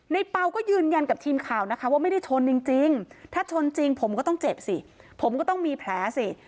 เปล่าก็ยืนยันกับทีมข่าวนะคะว่าไม่ได้ชนจริงถ้าชนจริงผมก็ต้องเจ็บสิผมก็ต้องมีแผลสิ